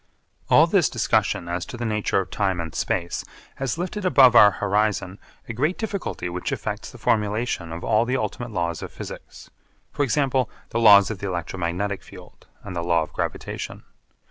All this discussion as to the nature of time and space has lifted above our horizon a great difficulty which affects the formulation of all the ultimate laws of physics for example, the laws of the electromagnetic field, and the law of gravitation.